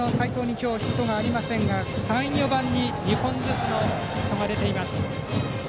今日、ヒットはありませんが３、４番に２本ずつのヒットが出ています。